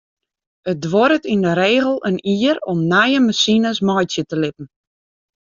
It duorret yn de regel in jier om nije masines meitsje te litten.